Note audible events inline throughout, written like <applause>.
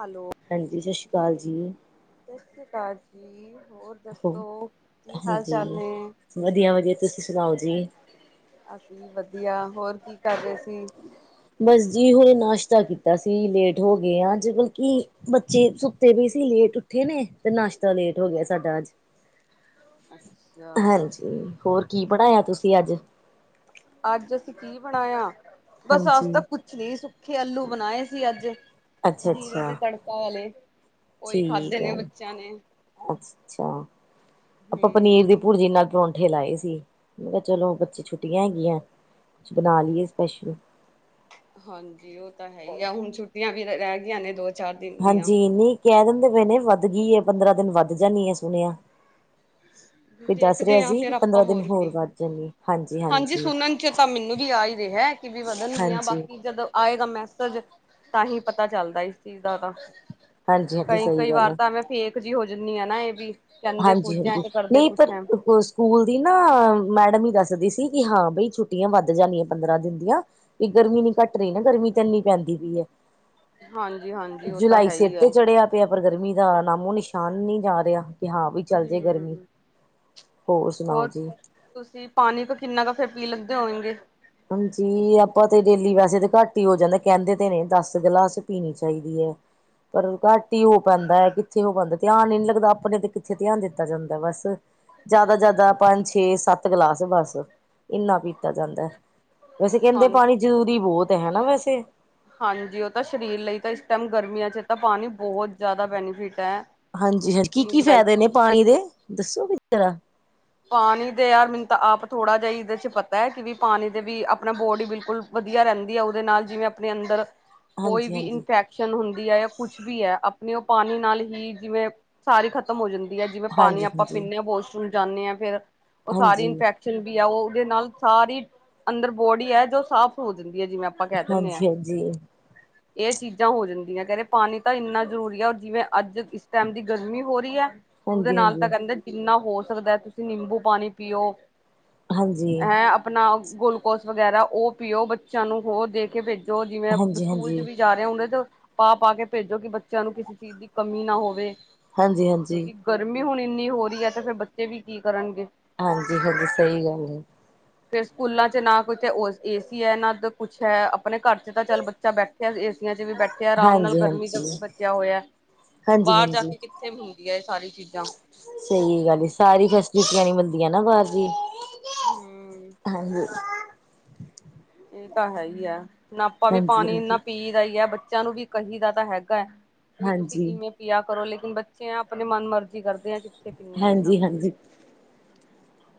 Hello, ਹਾਂਜੀ ਸਤਿ ਸ਼੍ਰੀ ਅਕਾਲ ਜੀ। ਸਸ ਸ੍ਰੀ ਕਾਲ ਜੀ ਹੋਰ ਹੋ ਦੱਸੋ ਕੀ ਹਾਲ ਚਾਲ ਹਾਂਜੀ ਨੇ। ਵਧੀਆ ਵਧੀਆ ਤੁਸੀਂ ਸੁਣਾਓ ਜੀ ਅਸੀਂ ਵੀ ਵਧੀਆ, ਹੋਰ ਕੀ ਕਰ ਰਏ ਸੀ। ਬਸ ਜੀ ਹੁਣੇ ਨਾਸ਼ਤਾ ਕੀਤਾ ਸੀ, ਲੇਟ ਹੋ ਗਏ ਅਜ ਬਲਕੀ। ਬੱਚੇ ਸੁੱਤੇ ਪਏ ਸੀ ਲੇਟ ਉੱਠੇ ਨੇ, ਤੇ ਨਾਸ਼ਤਾ ਲੇਟ ਹੋ ਗਆ ਸਾਡਾ ਅੱਜ। ਅੱਛਾ, ਹਾਂਜੀ, ਹੋਰ ਕੀ ਬਣਾਆ ਤੁਸੀਂ ਅੱਜ? ਅੱਜ ਅਸੀਂ ਕੀ ਬਣਾਆ ਬਸ ਅੱਜ ਹਾਂਜੀ ਤਾ ਕੁਛ ਨਹੀਂ ਸੁੱਖੇ ਆਲੂ ਬਣਾਏ ਸੀ ਅੱਜ, ਅੱਛਾ ਜੀਰੇ ਅੱਛਾ ਤੇ ਤੜਕਾ ਵਾਲੇ। ਉਹੀ ਖਾਧੇ ਠੀਕ ਨੇ ਐ, ਬੱਚਿਆਂ ਨੇ, ਅੱਛਾ। ਆਪਾਂ ਪਨੀਰ ਦੀ ਹੂੰ। ਭੁਰਜੀ ਨਾਲ ਪਰੌਂਠੇ ਲਾਏ ਸੀ। ਮੈਂ ਕੇਹਾ ਚਲੋ ਬੱਚੇ ਛੁੱਟੀਆਂ ਹੈਗੀਆਂ, ਕੁਛ ਬਣਾ ਲਈਏ ਸਪੈਸ਼ਲ। ਹਾਂਜੀ ਓਹ ਤਾਂ ਹੈ ਈ ਐ, ਹੁਣ ਛੁੱਟੀਆਂ ਵੀ ਰਹ ਰੈਹ ਗਈਆਂ ਨੇ ਦੋ ਚਾਰ ਦਿਨ ਦੀਆਂ। ਹਾਂਜੀ ਨੀ ਕੈਹ ਦਿੰਦੇ ਪਏ ਨੇ ਵੱਧ ਗਈ ਐ ਪੰਦਰਾਂ ਦਿਨ ਵੱਧ ਜਾਣੀ ਐ ਸੁਣਿਆ। ਕੋਈ ਦੱਸ ਰਿਹਾ ਦੇਖਦੇ ਆਂ ਸੀ ਫੇਰ ਕਿ ਆਪਾਂ ਪੰਦਰਾਂ ਦਿਨ ਹੋਰ ਕੇ ਵੱਧ ਜਾਣੇ ਹਾਂਜੀ ਸੁਣਨ ਚ ਤਾਂ ਮੈਨੂੰ ਵੀ ਆ ਈ ਰੇਹਾ। ਵੀ ਵਧਣਗੀਆਂ ਹਾਂਜੀ ਬਾਕੀ ਜਦੋਂ ਆਏਗਾ ਮੈਸਜ, ਤਾਂ ਹੀ ਪਤਾ ਚੱਲਦਾ ਇਸ ਚੀਜ਼ ਦਾ ਤਾਂ। ਹਾਂਜੀ ਹਾਂਜੀ ਸਹੀ ਕਈ-ਕਈ ਗੱਲ ਵਾਰ ਹੈ ਤਾਂ ਮੈਂ ਫੇਕ ਜਿ ਹੋ ਜਾਂਦੀ ਆ ਨਾ ਏਹ ਵੀ ਕੈਹੰਦੇ ਹਾਂਜੀ ਪੂਜਿਆ ਹਾਂਜੀ ਨਹੀਂ ਪਰ ਸਕੂਲ ਦੀ ਨਾ ਮੈਡਮ ਈ ਦੱਸਦੀ ਸੀ ਕਿ ਹਾਂ ਬਈ ਛੁੱਟੀਆਂ ਵੱਧ ਜਾਣੀਆਂ ਪੰਦਰਾਂ ਦਿਨ ਦੀਆਂ। ਵੀ ਗਰਮੀ ਨੀ ਘੱਟ ਰੀਅ ਨਾ ਗਰਮੀ ਤਾਂ ਇੰਨੀ ਪੈਂਦੀ ਪੀ ਏ। ਹਾਂਜੀ-ਹਾਂਜੀ ਓਹ ਤਾਂ ਹੈਈ ਐ। ਪੇਆ ਪਰ ਗਰਮੀ ਦਾ ਨਾਮੋ ਨਿਸ਼ਾਨ ਨੀ ਜਾ ਰੇਆ। ਕਿ ਹਾਂ ਵੀ ਚੱਲ ਜੇ ਹੂੰ ਗਰਮੀ, ਹੋਰ ਸੁਣਾਓ ਜੀ। ਤੁਸੀਂ ਪਾਣੀ ਤੋਂ ਕਿੰਨਾ ਕ ਫੇਰ ਪੀ ਲੱਦੇ ਹੋਂਗੇ। ਹਾਂਜੀ ਆਪਾਂ ਤੇ ਡੇਲੀ ਵੈਸੇ ਤਾਂ ਘੱਟ ਹੀ ਹੋ ਜਾਂਦੇ, ਕੈਹੰਦੇ ਤੇ ਨੇ ਦਸ ਗਿਲਾਸ ਪੀਣੀ ਚਾਈਦੀ ਐ। ਪਰ ਘੱਟ ਈ ਹੋ ਪਾਂਦੈ ਐ ਕਿੱਥੇ ਹੋ ਪਾਂਦੈ, ਧਿਆਨ ਈ ਨੀ ਲੱਗਦਾ ਆਪਣੇ ਤੇ। ਇੱਥੇ ਧਿਆਨ ਦਿੱਤਾ ਜਾਂਦੈ ਬਸ, ਜਿਆਦਾ-ਜਿਆਦਾ ਪੰਜ, ਛੇ, ਸੱਤ ਗਲਾਸ ਬਸ, ਇੰਨਾ ਪੀਤਾ ਜਾਂਦੈ। ਵੈਸੇ ਹਾਂ ਕੈਹੰਦੇ ਪਾਣੀ ਜ਼ਰੂਰੀ ਬਹੁਤ ਹੈ ਨਾ ਵੈਸੇ। ਹਾਂਜੀ ਓਹ ਤਾਂ ਸਰੀਰ ਲਈ ਤਾਂ ਇਸ ਟੈਮ ਗਰਮੀਆਂ ਚ ਤਾਂ ਪਾਣੀ ਬਹੁਤ ਜ਼ਿਆਦਾ ਬੈਨੀਫਿਟ ਐ। ਹਾਂਜੀ ਹ ਕੀ-ਕੀ ਫ਼ਾਏਦੇ ਨੇ ਪਾਣੀ ਦੇ, ਦੱਸੋ ਗੇ ਜਰਾ। ਪਾਣੀ ਦੇ ਯਾਰ ਮੈਨੂੰ ਤਾਂ ਆਪ ਥੋੜਾ ਜਿਹੀ ਇਹਦੇ ਚ ਪਤੈ, ਕਿ ਵੀ ਪਾਣੀ ਦੇ ਵੀ ਆਪਣਾ ਬੋਡੀ ਬਿਲਕੁਲ ਵਧੀਆ ਰੈਹੰਦੀ ਆ ਓਹਦੇ ਨਾਲ ਜਿਵੇਂ ਆਪਣੇ ਅੰਦਰ ਕੋਈ ਹਾਂਜੀ ਵੀ ਹਾਂਜੀ। ਇਨਫੈਕਸ਼ਨ ਹੁੰਦੀ ਐ ਯਾ ਕੁਛ ਵੀ ਐ ਆਪਣੇ ਓਹ ਪਾਣੀ ਨਾਲ ਹੀ ਜਿਵੇਂ ਸਾਰੀ ਖਤਮ ਹੋ ਜਾਂਦੀ ਐ ਜਿਵੇਂ ਪਾਣੀ ਹਾਂਜੀ ਆਪਾਂ ਹਾਂਜੀ ਪੀਣੇ ਆਂ ਵਾਸ਼ਰੂਮ ਜਾਂਣੇ ਆਂ ਫੇਰ ਉਹ ਸਾਰੀ ਹਾਂਜੀ ਇਨਫੈਕ ਇਸ ਵੀ ਆ ਓ ਉਦੇ ਨਾਲ ਸਾਰੀ, ਅੰਦਰ ਬੋਡੀ ਐ ਜੋ ਸਾਫ਼ ਹੋ ਜਾਂਦੀ ਐ ਜਿਵੇਂ ਆ ਆਪਾਂ ਕੈਹ ਦੇਨੇ ਆਂ। ਹਾਂਜੀ ਹਾਂਜੀ ਏਹ ਚੀਜ਼ਾਂ ਹੋ ਜਾਂਦੀਐਂ ਕੈਹ ਰੇ ਪਾਣੀ ਤਾਂ ਇੰਨਾ ਜ਼ਰੂਰੀ ਐ ਜਿਵੇਂ ਅੱਜ ਇਸ ਟੈਮ ਦੀ ਗਰਮੀ ਹੋ ਰਹੀ ਐ। ਉਦੇ ਹਾਂਜੀ ਨਾਲ ਤਾਂ ਹਾਂਜੀ। ਕੈਹੰਦੇ ਜਿੰਨਾ ਹੋ ਸਕਦੈ ਤੁਸੀਂ ਨਿੰਬੂ ਪਾਣੀ ਪੀਓ। ਹਾਂਜੀ ਐ ਆਪਣਾ ਗਲੂਕੋਸ ਵਗੈਰਾ ਓ ਪੀਓ ਬੱਚਿਆਂ ਨੂੰ ਹੋਰ ਦੇ ਕੇ ਭੇ ਜੋ ਜਿਵੇਂ ਹਾਂਜੀ ਸਕੂਲ ਚ ਹਾਂਜੀ ਵੀ ਜਾ ਉਹਦੇ ਤੋਂ ਪਾ-ਪਾ ਕੇ ਭੇਜੋ ਕਿ ਬੱਚਿਆਂ ਨੂੰ ਕਿਸੇ ਚੀਜ਼ ਦੀ ਕਮੀ ਨਾ ਹੋਵੇ। ਹਾਂਜੀ-ਹਾਂਜੀ। ਕਿਉਂਕਿ ਗਰਮੀ ਹੁਣ ਇੰਨੀ ਹੋ ਰਹੀ ਹੈ ਤੇ ਫਿਰ ਬੱਚੇ ਵੀ ਕੀ ਕਰਨਗੇ। ਹਾਂਜੀ -ਹਾਂਜੀ ਸਹੀ ਗੱਲ ਹੈ। <unintelligible> ਫੇਰ ਸਕੂਲਾਂ ਚ ਨਾ ਕੋਈ ਤੇ ਏ ਸੀ ਹੈ ਨਾ ਕੁਛ ਹੈ ਆਪਣੇ ਘਰ ਚ ਤਾਂ ਚੱਲ ਬੱਚਾ ਬੈਠ ਏਸੀਆਂ ਚ ਵੀ ਬੈਠੇ ਆਰਾਮ ਨਾਲ ਗਰਮੀ ਦਾ ਹਾਂਜੀ-ਹਾਂਜੀ। ਬਚਿਆ ਹੋਇਆ ਬਾਹਰ ਜਾ ਹਾਂਜੀ-ਹਾਂਜੀ ਕੇ ਕਿੱਥੇ ਹੁੰਦੀ ਹੈ ਇਹ ਸਾਰੀ ਚੀਜ਼ਾਂ ਸਹੀ ਗੱਲ ਸਾਰੀ ਫੈਸਿਲਿਟੀਆਂ ਨੀ ਮਿਲਦੀਆਂ ਨਾ ਬਾਹਰ ਦੀ। ਹਮ ਹਾਂਜੀ। ਇਹ ਤਾਂ ਹੈ ਹੀ ਹੈ ਨਾ ਆਪਾਂ ਵੀ ਪਾਣੀ ਇੰਨਾ ਹਾਂਜੀ-ਹਾਂਜੀ, ਹਾਂਜੀ। ਪੀ ਦਾ ਹੀ ਹੈ ਬੱਚਿਆਂ ਨੂੰ ਵੀ ਕਹੀ ਦਾ ਤਾਂ ਹੈਗਾ ਹੈ ਕਿ ਵੀ ਹਾਂਜੀ-ਹਾਂਜੀ, ਤੁਸੀਂ ਵੇ ਪਿਆ ਕਰੋ ਲੇਕਿਨ ਬੱਚੇ ਆ ਆਪਣੇ ਮਨ ਮਰਜੀ ਕਰਦੇ ਆ ਕਿੱਥੇ ਪੀਂਦੇੇ ਆ ਇਨਾ ਹਾਂਜੀ ਹਾਂਜੀ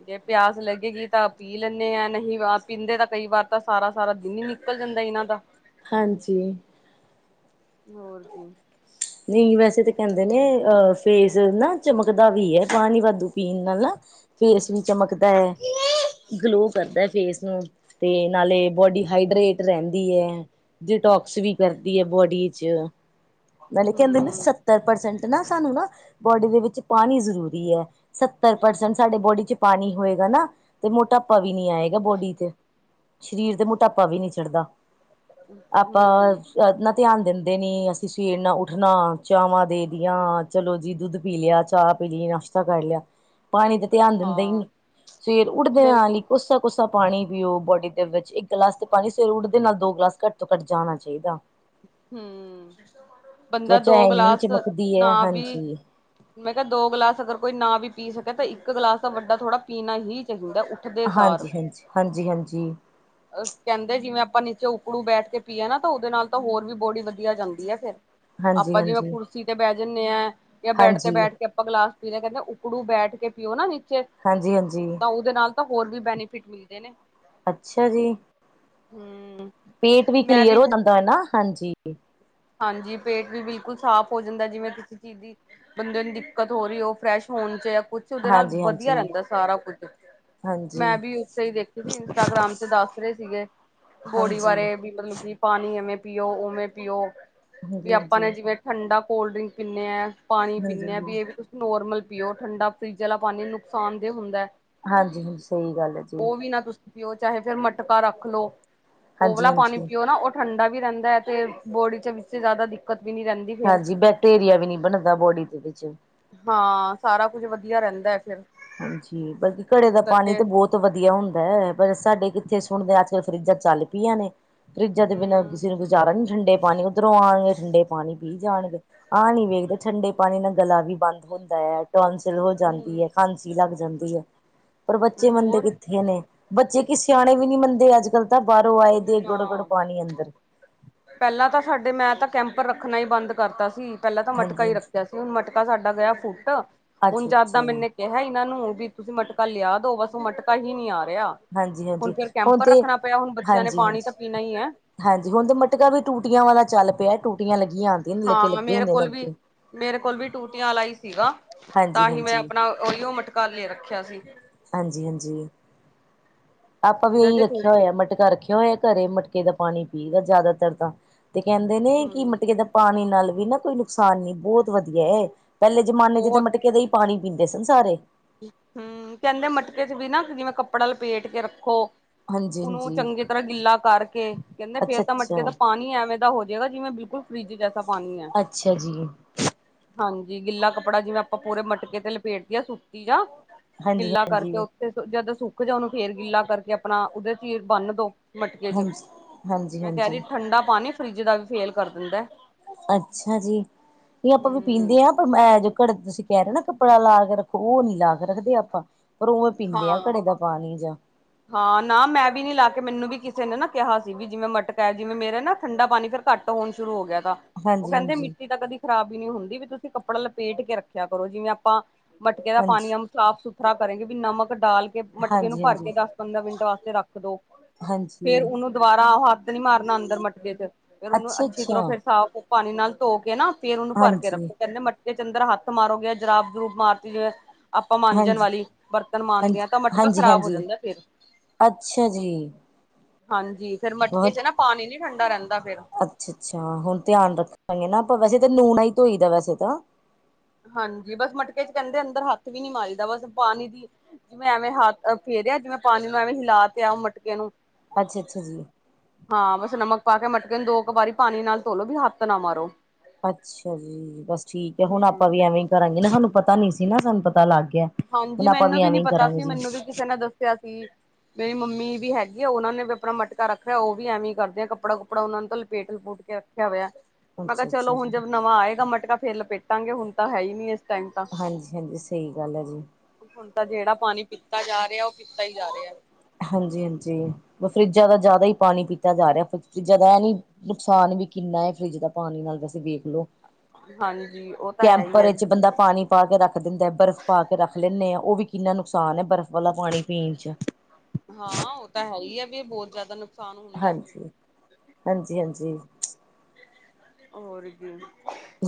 ਜੇ ਪਿਆਸ ਲੱਗੇਗੀ ਤਾਂ ਪੀ ਲੈਂਦੇ ਆਾਂ ਨਹੀਂ ਪੀਂਦੇ ਤਾਂ ਕਈ ਵਾਰ ਤਾਂ ਸਾਰਾ -ਸਾਰਾ ਦਿਨ ਨੇ ਨਿਕਲ ਜਾਂਦਾ ਇਹਨਾਂ ਦਾ। ਹਾਂਜੀ। ਹੋਰ ਕੀ। ਨਹੀਂ ਵੈਸੇ ਤਾਂ ਕਹਿੰਦੇ ਨੇ ਅਹ ਫੇਸ ਨਾ ਚਮਕਦਾ ਵੀ ਹੈ ਪਾਣੀ ਵਾਧੂ ਪੀਣ ਨਾਲ ਨਾ ਫੇਸ ਵੀ ਚਮਕਦਾ ਹੈ ਗਲੋ ਕਰਦਾ ਫੇਸ ਨੂੰ। ਤੇ ਨਾਲੇ ਬੋਡੀ ਹਾਈਡਰੇਟ ਰਹਿੰਦੀ ਹੈ। ਜਟੋਕਸ ਵੀ ਕਰਦੀ ਹੈ ਬੋਡੀ ਚ ਨਾਲੇ ਕਹਿੰਦੇ ਹਮ ਸੱਤਰ ਪਰਸੈਂਟ ਨਾ ਸਾਨੂੰ ਨਾ ਬੋਡੀ ਦੇ ਵਿੱਚ ਪਾਣੀ ਜ਼ਰੂਰੀ ਹੈ। ਸੱਤਰ ਪਰਸੈਂਟ ਸਾਡੇ ਬੋਡੀ ਚ ਪਾਣੀ ਹੋਏਗਾ ਨਾ ਤੇ ਮੋਟਾ ਟਾਪਾ ਵੀ ਨਹੀਂ ਆਏਗਾ ਬੋਡੀ ਤੇ ਸਰੀਰ ਤੇ ਮੋਟਾਪਾ ਵੀ ਨਹੀਂ ਚੜਦਾ ਆਪਾਂ ਹਮ ਨਾ ਧਿਆਨ ਦਿੰਦੇ ਨੀ ਅਸੀਂ ਸਵੇਰ ਨਾਲ ਉ ਉੱਠਣਾ ਚਾਵਾਂ ਦੇ ਦੀਆਂ ਚਲੋ ਜੀ ਦੁੱਧ ਪੀ ਲਿਆ ਚਾਹ ਪੀ ਲਈ ਨਾਸ਼ਤਾ ਕਰ ਲਿਆ। ਪਾਣੀ ਦਾ ਧਿਆਨ ਦਿੰਦੇ ਹੀ ਨੀ ਹਾਂ ਸਵੇਰ ਉੱਡਦੇ ਨਹੀਂ ਨਾਲ ਹੀ ਕੋੱਸਾ- ਕੋੱਸਾ ਪਾਣੀ ਪੀਓ ਬੋਡੀ ਦੇ ਵਿੱਚ ਇੱਕ ਗਲਾਸ ਤੇ ਪਾਣੀ ਸਵੇਰ ਉੱਠਦੇ ਨਾਲ ਦੋ ਗਲਾਸ ਘੱਟ ਤੋਂ ਘੱਟ ਜਾਣਾ ਚਾਹੀਦਾ ਹਮ ਬੰਦਾ ਤਵਚਾ ਦੋ ਇੰਨੀ ਗਲਾਸ ਚਮਕਦੀ ਨਾ ਹੈ ਵੀ ਹਾਂਜੀ ਮੈਂ ਕਿਹਾ ਦੋ ਗਲਾਸ ਅਗਰ ਕੋਈ ਨਾ ਵੀ ਪੀ ਸਕੇ ਤਾਂ ਇੱਕ ਗਲਾਸ ਦਾ ਵੱਡਾ ਥੋੜ੍ਹਾ ਪੀਣਾ ਹੀ ਚਾਹੀਦਾ ਉੱਠਦੇ ਹਾਂਜੀ- ਹਂਜੀ- ਹਂਜੀ-ਹਂਜੀ। ਅ ਕਹਿੰਦੇ, ਜਿਵੇਂ ਆਪਾਂ ਨੀਚੇ ਉਪੜੂ ਬੈਠ ਕੇ ਪੀਯਾ ਨਾ ਤੋ ਉਹਦੇ ਨਾਲ ਤਾਂ ਹੋਰ ਵੀ ਬੋਡੀ ਵਧੀਆ ਜਾਂਦੀ ਹੈ, ਫਿਰ। ਹਾਂਜੀ ਆਪਾਂ ਜਿਵੇਂ ਹਾਂਜੀ ਕੁਰਸੀ ਤੇ ਬਹਿ ਜਾਂਦੇ ਹਾਂ, ਜਾਂ ਬੈੱਡ ਤੇ ਹਾਂਜੀ ਬੈਠ ਕੇ ਅਪਾਂ ਗਲਾਸ ਪੀਦੇ ਕਹਿੰਦੇ ਉੱਕੜੂ ਬੈਠ ਕੇ ਪੀਓ ਨਾ ਨੀਚੇ, ਹਾਂਜੀ ਹਾਂਜੀ ਤਾਂ ਉਹਦੇ ਨਾਲ ਤਾਂ ਹੋਰ ਵੀ ਬੈਨੀਫਿਟ ਮਿਲਦੇ ਨੇ। ਅੱਛਾ ਜੀ, ਹਮ ਪੇਟ ਵੀ ਕਲੀਅਰ ਹੋ ਜਾਂਦਾ ਹੈ ਨਾ, ਹਾਂਜੀ। ਹਾਂਜੀ, ਪੇਟ ਵੀ ਬਿਲਕੁਲ ਸਾਫ਼ ਹੋ ਜਾਂਦਾ ਜਿਵੇਂ ਤੁਸੀਂ ਚੀਜ਼ ਬੰਦੇ ਨੂੰ ਦਿੱਕਤ ਹੋ ਰਹੀ ਉਹ, ਫਰੈਸ਼ ਹੋਣ ਚ ਜਾਂ ਕੁਛ ਸੋਂ ਉਹਦੇ ਨਾਲ, ਹਾਂਜੀ ਵਧੀਆ ਹਾਂਜੀ ਰਹਿੰਦਾ ਸਾਰਾ ਕੁੱਝ। ਹਾਂਜੀ ਮੈਂ ਵੀ ਉਥੈ ਹੀ ਦੇਖ ਰੀ ਸੀ, ਇੰਸਟਾਗ੍ਰਾਮ ਤੇ ਦੱਸ ਰਹੇ ਸੀਗੇ ਬੋਡੀ ਹਾਂਜੀ ਹਾਂਜੀ ਬਾਰੇ ਵੀ, ਮਤਲਬ ਕਿ ਪਾਣੀ ਐਵੇਂ ਪੀਓ, ਉਵੇਂ ਪੀਓ। ਵੀ ਆਪਾਂ ਹਾਂਜੀ ਨੇ ਜਿਵੇਂ ਠੰਡਾ ਕੋਲਡ- ਡ੍ਰਿੰਕ ਪੀਣੇ ਐ। ਪਾਣੀ ਹਾਂਜੀ ਪੀਨੇ ਹੇ ਵੀ ਐਵੀ ਨੋਰਮਲ ਪੀਓ, ਠੰਢਾ ਫਰਿੱਜ ਵਾਲਾ ਪਾਣੀ ਨੁਕਸਾਨ ਦੇ ਹੁੰਦਾ ਹੈ। ਹਾਂਜੀ ਹਾਂਜੀ ਸਹੀ ਗੱਲ ਹੈ ਜੀ ਊਹ ਵੀ ਨਾ ਤੁਸ ਪੀਓ, ਚਾਹੇ ਫਿਰ ਮਟਕਾ ਰੱਖ ਲੋ, ਉਹ ਹਾਂਜੀ ਵਾਲਾ ਪਾਣੀ ਹਾਂਜੀ ਪੀਓ ਨਾ ਔਰ ਠੰਡਾ ਵੀ ਰੇਂਦਾ ਐ ਤੇ, ਬੋਡੀ ਚ ਵਿੱਚ ਜ਼ਿਆਦਾ ਦਿੱਕਤ ਵੀ ਨੀ ਰਹਿੰਦੀ। ਫਿਰ ਹਾਂਜੀ, ਬੈਕਟੇਰੀਆ ਵੀ ਨੀ ਬਣਦਾ ਬੋਡੀ ਦੇ ਵਿੱਚ। ਹਾਂ, ਸਾਰਾ ਕੁਝ ਵਧੀਆ ਰਹਿੰਦਾ ਹੈ ਫਿਰ। ਹਾਂਜੀ, ਬਲਕਿ ਘੜੇ ਇਸ ਦਾ ਪਾਣੀ ਕਰਕੇ ਤਾਂ ਬਹੁਤ ਤੋਂ ਵਧੀਆ ਹੁੰਦਾ ਹੈ, ਪਰ ਸਾਡੇ ਕਿੱਥੇ ਸੁਣਦੇ, ਅੱਜ-ਕੱਲ ਫਰਿਜਾਂ ਚੱਲ ਪਈਆਂ ਨੇ। ਫਰਿੱਜ਼ਾਂ ਦੇ ਬਿਨਾਂ, ਹਮ ਕਿਸੇ ਨੂੰ ਗੁਜ਼ਾਰਾ ਨੀ ਠੰਡੇ ਪਾਣੀ ਉਧਰੋਂ ਉਣਗੇ ਠੰਡੇ ਪਾਣੀ ਪੀ ਜਾਣਗੇ, ਆਹ ਨੀ ਵੇਖਦੇ, ਠੰਡੇ ਪਾਣੀ ਨਾਲ ਗਲਾ ਵੀ ਬੰਦ ਹੁੰਦਾ ਹੈ। ਟੋਂਸਿਲ ਹੋ ਜਾਂਦੀ ਹਮ ਹੈ, ਖਾਂਸੀ ਲੱਗ ਜਾਂਦੀ ਹੈ, ਪਰ ਬੱਚੇ ਮੰਨਦੇ ਹੋਰ ਕਿੱਥੇ ਨੇ? ਬੱਚੇ ਕਿ ਸਿਆਣੇ ਵੀ ਨੀ ਮੰਨਦੇ ਅੱਜ-ਕੱਲ ਤਾਂ, ਬਾਰੋ ਆਏ ਦੇ ਗਡ-ਗਡ ਨਾ ਪਾਣੀ ਅੰਦਰ। ਪਹਿਲਾਂ ਤਾਂ ਸਾਡੇ, ਮੈਂ ਤਾਂ ਕੈਂਪਰ ਰੱਖਣਾ ਹੀ ਬੰਦ ਕਰਤਾ ਸੀ, ਪਹਿਲਾਂ ਤਾਂ ਮਟਕਾ ਹਾਂਜੀ ਹੀ ਹਾਂਜੀ ਰੱਖਿਆ ਸੀ ਹੁਣ ਮਟ ਤਾ ਸਾਡਾ ਗਿਆ ਫੁੱਟ, ਹੁਣ ਅੱਛਾ ਜਦ ਦਾ ਅੱਛਾ ਮਨੇ ਕਿਹਾ ਇਹਨਾਂ ਨੂੰ, ਵੀ ਤੁਸੀਂ ਮਟਕਾ ਲਿਆ ਦੋ ਬਸ ਮਟਕਾ ਹੀ ਨਹੀਂ ਆ ਰਿਹਾ। ਹਾਂਜੀ-ਹਾਂਜੀ, ਫਿਰ ਹੁਣ ਕੈਂਪਰ ਤੇ ਰੱਖਣਾ ਪਿਆ ਹੁਣ ਬੱਚਿਆਂ ਨੇ ਹਾਂਜੀ। ਜੀ, ਪਾਣੀ ਤਾਂ ਪੀਣਾ ਹੀ ਹੈ ਹਾਂਜੀ-ਹਾਂਜੀ ਹੁਣ ਤੇ ਮਟਕਾ ਵੀ ਟੂਟੀਆਂ ਵਾਲਾ ਚੱਲ ਪਿਆ, ਟੂਟੀਆਂ ਲੱਗੀਆਂ ਨੇ ਲੱਗੇ ਹਾਂ, ਲੱਗੇ ਮੇਰੇ ਹੁੰਦੇ ਨੇ ਕੋਲ ਵੀ ਅੱਗੇ ਮੇਰੇ ਕੋਲ ਵੀ ਟੂਟੀਆਂ ਆਲਾ ਹੀ ਸੀਗਾ, ਤਾਂ ਹਾਂਜੀ ਹੀ ਮੈਂ ਹਾਂਜੀ ਆਪਣਾ ਓਹੀ ਓ ਮਟਕਾ ਲੈ ਰੱਖਿਆ ਸੀ। ਹਾਂਜੀ-ਹਾਂਜੀ। ਆਪਾਂ ਵੀ ਜਿਹਦਾ ਇਹੀ ਚ ਰੱਖਿਆ ਟੂਟੀ ਹੋਇਆ, ਮਟਕਾ ਰੱਖਿਆ ਹੋਇਆ ਘਰੇ, ਮਟਕੇ ਦਾ ਪਾਣੀ ਪੀਦਾ ਜ਼ਿਆਦਾ ਤਰ ਤਾਂ। ਤੇ ਕਹਿੰਦੇ ਨੇਂ ਕਿ ਹਮ ਮਟਕੇ ਦਾ ਪਾਣੀ ਨਾਲ ਵੀ ਨਾਂ ਕੋਈ ਨੁਕਸਾਨ ਨੀ ਬਹੁਤ ਵਧੀਆ ਏ। ਪਹਿਲੇ ਜਮਾਨੇ ਚ ਤਾਂ ਬਹੁਤ ਮਟਕੇ ਦਾ ਈ ਪਾਣੀ ਪੀਂਦੇ ਸਨ ਸਾਰੇ। ਹੂੰ, ਕਹਿੰਦੇ ਮਟਕੇ ਚ' ਵੀ ਨਾ ਜਿਵੇਂ ਕੱਪੜਾ ਲਪੇਟ ਕੇ ਰੱਖੋ। ਹਾਂਜੀ ਉਹਨੂੰ ਹਾਂਜੀ ਚੰਗੀ ਤਰ੍ਹਾਂ ਗਿੱਲਾ ਕਰਕੇ, ਕਹਿੰਦੇ ਅੱਛਾ ਫੇਰ ਤਾਂ ਮਟਕੇ ਦਾ ਅੱਛਾ ਪਾਣੀ ਐਵੇਂ ਦਾ ਹੋ ਜ ਏਵੇ ਲਗਦਾ, ਜਿਵੇਂ ਬਿਲਕੁਲ ਫਰਿਜ ਜੈਸਾ ਪਾਣੀ ਐ। ਅੱਛਾ ਜੀ ਹਾਂਜੀ, ਗਿੱਲਾ ਕੱਪੜਾ ਜਿਵੇਂ ਆਪਾਂ ਪੂਰੇ ਮਟਕੇ ਤੇ ਲਪੇਟਦੇ ਆਂ, ਸੂਤੀ ਜਾ ਹਾਂਜੀ ਗਿੱਲਾ ਹਾਂਜੀ ਕਰਕੇ ਉੱਥੇ, ਜਦੋਂ ਸੁੱਕ ਜਾਓ ਉਹਨੂ ਫੇਰ ਗਿੱਲਾ ਕਰਕੇ ਆਪਣਾ, ਉਹਦੇ ਚ' ਈ ਬੰਨ ਦੋ। ਮਟਕੇ ਚ, ਹਾਂਜੀ ਹਾਂਜੀ ਮੈਂ ਕਹਿ ਰਹੀ ਹਾਂਜੀ ਠੰਡਾ ਪਾਣੀ ਫਰਿੱਜ ਦਾ ਵੀ ਫੇਲ ਕਰ ਦਿੰਦੈ। ਅੱਛਾ ਜੀ, ਨੀ ਆਪਾਂ ਵੀ ਹੂੰ ਪੀਂਦੇ ਆਂ ਪਰ ਮੈਂ ਜੋ ਘੜੇ ਤੁਸੀਂ ਕਹਿ ਰਹੇ ਹੋ ਨਾਂ ਕੱਪੜਾ ਲਾ ਕੇ ਰੱਖੋ, ਉਹ ਨੀ ਲਾ ਕੇ ਰੱਖਦੇ ਆਪਾਂ। ਪਰ ਉਵੇ ਪੀਂਦੇ ਆਂ ਹਾਂ ਘੜੇ ਦਾ ਪਾਣੀ ਜਾਂ ਹਾਂ, ਨਾਂ ਮੈਂ ਵੀ ਨੀ ਲਾਕੇ ਮੈਨੂੰ ਵੀ ਕਿਸੇ ਨੇ ਨਾ ਕਿਹਾ ਸੀ, ਵੀ ਜਿਵੇਂ ਮਟਕਾ ਜਿਵੇਂ ਮੇਰੇ ਨਾਂ, ਠੰਡਾ ਪਾਣੀ ਫ਼ੇਰ ਘੱਟ ਹੋਣ ਸ਼ੁਰੂ ਹੋ ਗਿਆ ਤਾ ਉ ਹਾਂਜੀ ਕਹਿੰਦੇ ਹਾਂਜੀ ਮਿੱਟੀ ਤਾਂ ਕਦੀ ਖਰਾਬ ਹੀ ਨਹੀਂ ਹੁੰਦੀ ਵੀ ਤੁਸੀਂ ਕੱਪੜਾ ਲਪੇਟ ਕੇ ਰੱਖਿਆ ਕਰੋ, ਜਿਵੇਂ ਆਪਾਂ ਮਟਕੇ ਦਾ ਪਾਣੀ ਹਾਂਜੀ। ਹਮ ਸਾਫ਼-ਸੁਥਰਾ ਕਰੇਗੇ ਵੀ ਨਮਕ ਡਾਲ ਕੇ ਕੇ ਮਟਕੇ ਨੂੰ ਹਾਂਜੀ ਭਰ ਹਾਂਜੀ ਕੇ ਦਸ-ਪੰਦਰਾਂ ਮਿੰਟ ਵਾਸਤੇ ਰੱਖ ਦੋ। ਫੇਰ ਹਾਂਜੀ ਉਹਨੂੰ ਦੁਬਾਰਾ ਉ ਹੱਥ ਨੀ ਮਾਰਨਾ ਅੰਦਰ ਮਟਕੇ ਚ, ਫੇਰ ਉਹਨੂੰ ਅੱਛਾ ਅੱਛੀ ਤਰੋਂ ਅੱਛਾ ਫਿਰ ਸਾਫ਼ ਪਾਣੀ ਨਾਲ ਧੋ ਕੇ ਨਾ ਫ਼ੇਰ ਉਹਨੂੰ ਭਰ ਕੇ ਹਾਂਜੀ। ਰੱਖੋ ਕਹਿੰਦੇ ਮਟ ਵਿਚ ਅੰਦਰ ਹੱਥ ਮਾਰੋਗੇ, ਜੁਰਾਬ-ਜਰੂਬ ਮਾਰਤੀ ਜਿਵੇ ਆਪਾਂ ਮਾੰਜਣ ਵਾਲੀ ਬਰਤਨ ਮਾਂਜਦੇ ਹਾਂ ਤਾਂ ਮਟਕਾ ਖ਼ਰਾਬ ਹੋ ਹਾਂਜੀ-ਹਾਂਜੀ-ਹਾਂਜੀ, ਜਾਂਦਾ ਫੇਰ ਅੱਛਾ ਜੀ। ਹਾਂਜੀ, ਫੇਰ ਮਟਕੇ ਚ ਨਾ ਪਾਣੀ ਨੀ ਠੰਡਾ ਰਹਿੰਦਾ ਫਿਰ। ਅੱਛਾ-ਅੱਛਾ, ਹੁਣ ਧਿਆਨ ਰੱਖਾਂਗੇ ਨਾਆਪਾਂ, ਵੈਸੇ ਤਾਂ ਨੂਣ ਨਾਹੀ ਧੋਈ ਦਾ ਵੈਸੇ ਤਾਂ ਹਾਂਜੀ, ਬਸ ਮਟਕੇ ਚ ਕਹਿੰਦੇ ਅੰਦਰ ਹੱਥ ਵੀ ਨੀ ਮਾਰਿਦਾ ਬਸ ਪਾਣੀ ਦੀ ਜਿਵੇਂ ਐਵੇਂ ਹਥੱ ਫੇਰਿਆ ਜਿਵੇਂ ਪਾਣੀ ਨੂੰ ਐਵੇਂ ਹਿਲਾ ਤੇਆ ਉਹ ਮਟਕੇ ਨੂੰ ਅੱਛਾ-ਅੱਛਾ ਜੀ। ਹਾਂ, ਬਸ ਨਮਕ ਪਾ ਕੇ ਮਟਕੇ ਨੂੰ ਦੋ ਕੁ ਵਾਰੀ ਪਾਣੀ ਨਾਲ ਧੋਲੋ ਵੀ ਹੱਥ ਨਾ ਮਾਰੋ। ਅੱਛਾ ਜੀ, ਬਸ ਠੀਕ ਹੈ ਹੁਣ ਹਮ ਆਪਾਂ ਵੀ ਐਵੇਂ ਹੀ ਕਰਾਂਗੇ ਨਾ, ਸਾਨੂੰ ਪਤਾ ਨੀ ਸੀ ਨਾ ਸਾਨੂੰ ਪਤਾ ਲੱਗ ਗਿਆ। ਹਾਂਜੀ, ਹੁਣ ਆਪਾਂ ਮੈਨੂੰ ਵੀ ਨੀ ਐਵੇਂ ਹੀ ਪਤਾ ਕਰਾਂਗੇ ਸੀ ਜੀ ਮੈਨੂੰ ਵੀ ਕਿਸੇ ਨੇ ਦੱਸਿਆ ਸੀ। ਮੇਰੀ ਮੰਮੀ ਵੀ ਹੈਗੀ ਆ ਉਹਨਾ ਨੇ ਵੀ ਆਪਣਾ ਮਟਕਾ ਰੱਖਿਆ ਉਹ ਵੀ ਐਵੇਂ ਕਰਦੇ ਆ ਕੱਪੜਾ-ਕੁੱਪੜਾ ਉਹਨਾਂ ਨੇ ਤਾਂ ਲਪੇਟ-ਲਪੂਟ ਕੇ ਰੱਖਿਆ ਹੋਇਆ, ਮੈਂ ਕਿਹਾ, ਅੱਛਾ ਚਲੋ ਅੱਛਾ ਹੁਣ ਜੀ ਜਦ ਨਵਾਂ ਆਏਗਾ ਮਟਕਾ ਫੇਰ ਲਪੇਟਾਂਗੇ, ਹੁਣ ਤਾਂ ਹੈ ਹੀ ਨੀ ਇਸ ਟਾਈਮ ਤਾਂ। ਹਾਂਜੀ-ਹਾਂਜੀ, ਸਹੀ ਗੱਲ ਹੈ ਜੀ। ਹੁਣ ਤਾਂ ਜਿਹੜਾ ਪਾਣੀ ਪੀਤਾ ਜਾ ਰਿਹਾ, ਉਹ ਪੀਤਾ ਹੀ ਜਾ ਰਿਹਾ। ਹਾਂਜੀ-ਹਾਂਜੀ, ਫਰਿੱਜਾਂ ਦਾ ਜ਼ਿਆਦਾ ਹੀ ਪਾਣੀ ਪੀਤਾ ਜਾ ਰਿਹਾ, ਫਰਿੱਜਾਂ ਦਾ ਐ ਨੀ ਨੁਕਸਾਨ ਵੀ ਕਿੰਨਾ ਹੈ, ਫਰਿੱਜ ਦਾ ਪਾਣੀ ਨਾਲ ਵੈਸੇ ਵੇਖ ਲੋ। ਹਾਂਜੀ, ਉਹ ਤਾਂ ਹੈ ਹੀ ਕੈਂਪਰ ਆ। ਵਿੱਚ ਬੰਦਾ ਪਾਣੀ ਪਾ ਕੇ ਰੱਖ ਦਿੰਦਾ, ਬਰਫ਼ ਪਾ ਕੇ ਰੱਖ ਲੈਂਦੇ ਆਂ, ਉਹ ਵੀ ਕਿੰਨਾ ਨੁਕਸਾਨ ਹੈ, ਬਰਫ਼ ਵਾਲਾ ਪਾਣੀ ਪੀਣ ਚ। ਹਾਂ, ਉਹ ਤਾਂ ਹੈ ਹੀ ਹੈ। ਵੀ ਬਹੁਤ ਜ਼ਿਆਦਾ ਨੁਕ ਹਾਂਜੀ, ਹਾਂਜੀ-ਹਾਂਜੀ। ਹੋਰ ਕੀ,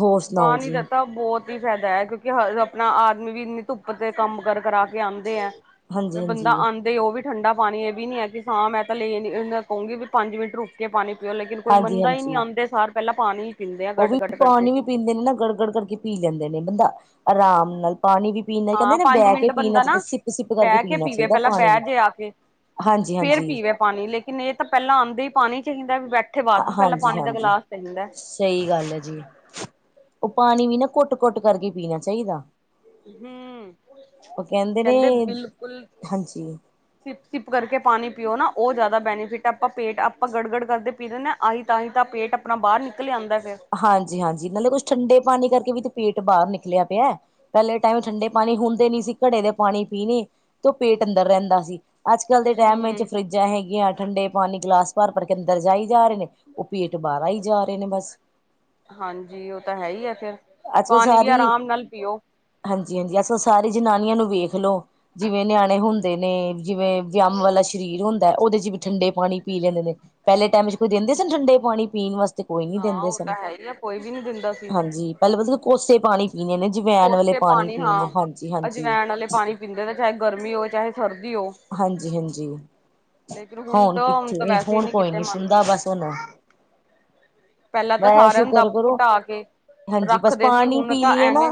ਹੋਰ ਸੁਣਾਓ ਪਾਣੀ ਦਾ ਜੀ ਤਾਂ ਬਹੁਤ ਹੀ ਫਾਇਦਾ ਹੈ ਕਿਉਂਕਿ ਹਰ ਆਪਣਾ ਆਦਮੀ ਵੀ ਇੰਨੀ ਧੁੱਪ ਤੇ ਕੰਮ ਕਰ ਕਰਾ ਕੇ ਆਉਂਦੇ ਹੈ, ਹਾਂਜੀ ਤੇ ਬੰਦਾ ਹਾਂਜੀ ਆਉਂਦੇ ਉਹ ਵੀ ਠੰਡਾ ਪਾਣੀ, ਇਹ ਵੀ ਨੀ ਹੈ ਕਿ ਸ਼ਾਮ, ਮੈਂ ਤਾਂ ਲੈ ਕਹੂੰਗੀ ਵੀ ਪੰਜ ਮਿੰਟ ਰੁੱਕ ਕੇ ਪਾਣੀ ਪਿਓ, ਲੇਕਿਨ ਕੋਈ ਹਾਂਜੀ ਮੰਨਦਾ ਹੀ ਨਹੀਂ, ਹਾਂਜੀ ਆਂਦੇ ਸਾਰ ਪਹਿਲਾਂ ਪਾਣੀ ਪੀਂਦੇ ਆ ਉਹ ਗਟ ਵੀ ਗਟ ਕਰਕੇ ਪਾਣੀ ਵੀ ਪੀਂਦੇ ਨੇ ਨਾ, ਗੜ-ਗੜ ਕਰਕੇ ਪੀ ਲੈਂਦੇ ਨੇ, ਬੰਦਾ ਆਰਾਮ ਨਾਲ ਪਾਣੀ ਵੀ ਪੀਣਾ, ਕਹਿੰਦੇ ਹਾਂ ਨਾ ਪੰਜ ਬਹਿ ਕੇ ਮਿੰਟ ਪੀਣਾ ਬੰਦਾ ਚਾਹੀਦਾ, ਨਾ ਸਿੱਪ-ਸਿੱਪ ਕਰਕੇ ਬਹਿ ਕੇ ਪੀਣਾ ਪੀਵੇ ਚਾਹੀਦਾ ਪਹਿਲਾਂ ਬਹਿ ਪਾਣੀ। ਜੇ ਆ ਕੇ ਫੇਰ ਹਾਂਜੀ-ਹਾਂਜੀ। ਪੀਵੇ ਪਾਣੀ ਲੇਕਿਨ ਇਹ ਤਾਂ ਪਹਿਲਾਂ ਆਉਂਦੇ ਹੀ ਪਾਣੀ ਚਾਹੀਦਾ, ਵੀ ਬੈਠੇ ਬਾਅਦ ਵਿੱਚ, ਪਹਿਲਾਂ ਹਾਂਜੀ ਪਾਣੀ ਦਾ ਹਾਂਜੀ ਗਿਲਾਸ ਚਾਹੀਦਾ। ਸਹੀ ਗੱਲ ਹੈ ਜੀ, ਉਹ ਪਾਣੀ ਵੀ ਨਾ ਘੁੱਟ-ਘੁੱਟ ਕਰਕੇ ਪੀਣਾ ਚਾਹੀਦਾ। ਹੂੰ, ਉਹ ਨੇ ਕਹਿੰਦੇ ਬਿਲਕੁਲ ਹਾਂਜੀ ਸਿੱਪ-ਸਿੱਪ ਕਰਕੇ ਪਾਣੀ ਪੀਓ ਨਾ, ਉਹ ਜ਼ਿਆਦਾ ਬੈਨੀਫਿਟ, ਆਪਾਂ ਪੇਟ, ਆਪਾਂ ਗੜ-ਗੜ ਕਰਦੇ ਪੀ ਦਿੰਦੇ ਹਾਂ ਆਹੀ ਤਾਂਹੀ ਤਾਂ ਪੇਟ ਆਪਣਾ ਬਾਹਰ ਨਿੱਕਲ ਆਉਂਦਾ ਫਿਰ। ਹਾਂਜੀ-ਹਾਂਜੀ, ਨਾਲੇ ਕੁੱਛ ਠੰਡੇ ਪਾਣੀ ਕਰਕੇ ਵੀ ਤੇ ਪੇਟ ਬਾਹਰ ਨਿੱਕਲਿਆ ਪਿਆ। ਪਹਿਲੇ ਟਾਈਮ ਠੰਡੇ ਪਾਣੀ ਹੁੰਦੇ ਨਹੀਂ ਸੀ, ਘੜੇ ਦੇ ਪਾਣੀ ਪੀਣੇ ਤੇ ਉਹ ਪੇਟ ਅੰਦਰ ਰਹਿੰਦਾ ਸੀ। ਅੱਜ- ਕੱਲ੍ਹ ਦੇ ਟਾਈਮ ਵਿੱਚ ਹੂੰ। ਫਰਿੱਜਾਂ ਹੈਗੀਆਂ, ਠੰਡੇ ਪਾਣੀ ਗਲਾਸ ਭਰ-ਭਰ ਕੇ ਅੰਦਰ ਜਾਈ ਜਾ ਰਹੇ ਨੇ। ਉਹ ਪੇਟ ਬਾਹਰ ਆਈ ਜਾ ਰਹੇ ਨੇ ਬਸ। ਹਾਂਜੀ, ਉਹ ਤਾਂ ਹੈ ਹੀ ਆ ਫੇਰ, ਪਾਣੀ ਵੀ ਆਰਾਮ ਨਾਲ ਪੀਓ। ਹਾਂਜੀ-ਹਾਂਜੀ, ਅੱਜ ਸਾਰੀ ਜਨਾਨੀਆਂ ਨੂੰ ਵੇਖ ਲੋ ਜਿਵੇਂ ਨਿਆਣੇ ਹੁੰਦੇ ਨੇ, ਜਿਵੇਂ ਵਿਅੱਮ ਵਾਲਾ ਸ਼ਰੀਰ ਹੁੰਦਾ, ਉਹਦੇ ਚ ਵੀ ਠੰਡੇ ਪਾਣੀ ਪੀ ਲੈਂਦੇ ਨੇ। ਪਹਿਲੇ ਟਾਈਮ ਚ ਕੋਈ ਹੂੰ। ਦਿੰਦੇ ਸਨ ਠੰਡੇ ਪਾਣੀ ਪੀਣ ਵਾਸਤੇ, ਕੋਈ ਨੀ ਹਾਂ ਦਿੰਦੇ ਉਹ ਸਨ। ਤਾਂ ਹੈ ਹੀ ਆ ਕੋਈ ਵੀ ਨਹੀਂ ਦਿੰਦਾ ਸੀ ਹਾਂਜੀ, ਪਹਿਲਾਂ ਮਤਲਬ ਕੋਸੇ ਪਾਣੀ ਪੀਣੇ ਨੇ, ਜਵੈਣ ਵਾਲੇ ਕੋਸੇ ਪਾਣੀ ਪੀਣੇ, ਹਾਂ। ਹਾਂਜੀ-ਹਾਂਜੀ। ਅਜਵੈਣ ਵਾਲੇ ਪਾਣੀ ਪੀਂਦੇ ਨੇ ਚਾਹੇ ਗਰਮੀ ਹੋਵੇ ਚਾਹੇ ਸਰਦੀ ਹੋ। ਹਾਂਜੀ-ਹਾਂਜੀ। ਲੇਕਿਨ ਹੁਣ ਤਾਂ ਤਾਂ ਕਿੱਥੇ, ਵੈਸੇ ਹੀ ਹੁਣ ਨਹੀਂ ਕੋਈ ਕਿਤੇ ਨੀ ਸੁਣਦਾ, ਮੰਨਦੀਆਂ। ਬਸ ਹੁਣ ਪਹਿਲਾਂ ਤਾਂ ਮੈਂ, ਸਾਰਿਆਂ ਨੂੰ ਸ਼ੁਕਰ ਦੱਬ ਕਰੋ, ਘੁਟਾ ਕੇ ਹਾਂਜੀ, ਬਸ ਰੱਖਦੇ ਸੀ ਪਾਣੀ ਹੁਣ ਪੀ ਤਾਂ ਲਈਏ ਨਾ। ਐਵੇਂ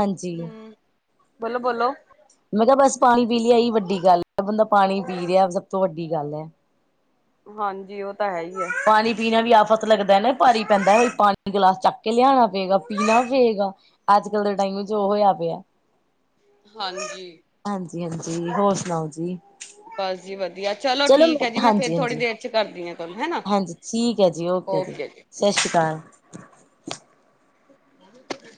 ਹਾਂਜੀ, ਹੂੰ ਬੋਲੋ-ਬੋਲੋ ਮੈਂ ਕਿਹਾ ਬਸ ਪਾਣੀ ਪੀ ਲਈਏ, ਇਹ ਹੀ ਵੱਡੀ ਗੱਲ। ਜਿਹੜਾ ਬੰਦਾ ਪਾਣੀ ਪੀ ਰਿਹਾ, ਸਭ ਤੋਂ ਵੱਡੀ ਗੱਲ ਹੈ। ਹਾਂਜੀ, ਉਹ ਤਾਂ ਹੈ ਹੀ ਹੈ। ਪਾਣੀ ਪੀਣਾ ਵੀ ਆਫ਼ਤ ਲੱਗਦਾ ਨਾ, ਭਾਰੀ ਪੈਂਦਾ, ਇਹ ਪਾਣੀ ਦਾ ਗਿਲਾਸ ਚੱਕ ਕੇ ਲਿਆਉਣਾ ਪਏਗਾ, ਪੀਣਾ ਪਏਗਾ। ਅੱਜ- ਕੱਲ ਦੇ ਟਾਈਮ ਵਿੱਚ ਉਹ ਹੋਇਆ ਪਿਆ। ਹਾਂਜੀ ਹਾਂਜੀ -ਹਾਂਜੀ, ਹੋਰ ਸੁਣਾਓ ਜੀ? ਬਸ, ਜੀ, ਵਧੀਆ, ਚਲੋ ਠੀਕ ਹੈ ਜੀ, ਮੈਂ ਫੇਰ ਹਾਂਜੀ ਥੋੜੀ ਹਾਂਜੀ ਦੇਰ ਚ ਕਰਦੀ ਹਾਂ। ਤੁਹਾਨੂੰ ਹੈਨਾ। ਹਾਂਜੀ, ਠੀਕ ਹੈ ਜੀ, ਓਕੇ ਜੀ, ਸਤਿ ਸ਼੍ਰੀ ਅਕਾਲ। <unintelligible>